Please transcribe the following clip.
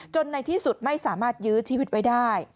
ในที่สุดไม่สามารถยื้อชีวิตไว้ได้